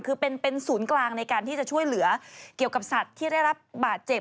คือเป็นศูนย์กลางในการที่จะช่วยเหลือเกี่ยวกับสัตว์ที่ได้รับบาดเจ็บ